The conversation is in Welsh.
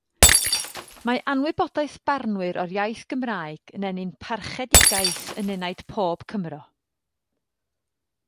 Mae anwybodaeth barnwyr o'r iaith Gymraeg yn ennyn parchedigaeth yn enaid pob Cymro.